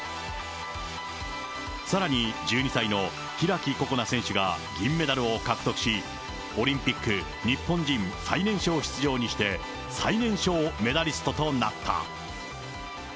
さらに１２歳の開心那選手が銀メダルを獲得し、オリンピック日本人最年少出場にして、最年少メダリストとなった。